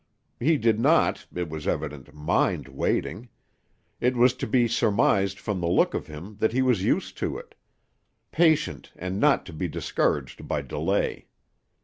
He did not, it was evident, mind waiting. It was to be surmised from the look of him that he was used to it; patient and not to be discouraged by delay.